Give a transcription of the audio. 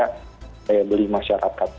kaya beli masyarakat